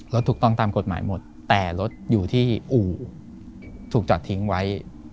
ถูกต้องตามกฎหมายหมดแต่รถอยู่ที่อู่ถูกจอดทิ้งไว้